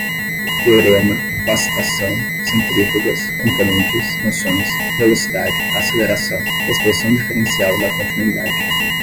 teorema, vacitação, centrífugas, componentes, noções, velocidade, aceleração, expressão diferencial da continuidade